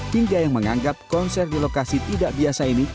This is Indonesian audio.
hingga yang menganggap konser di lokasi tidak biasa ini